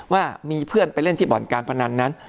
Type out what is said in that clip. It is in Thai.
ว่ามีเพื่อนไปเล่นที่บ่อนการพนันนั้น